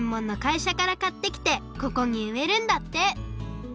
いしゃからかってきてここにうえるんだって。